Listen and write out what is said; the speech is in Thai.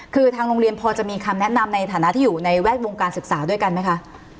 คือทางโรงเรียนพอจะมีคำแนะนำในฐานะที่อยู่ในแวดวงการศึกษาด้วยกันไหมคะ